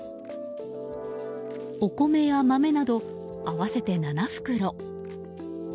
お米や豆など、合わせて７袋。